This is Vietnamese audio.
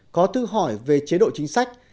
có thư hỏi về chế độ chính sách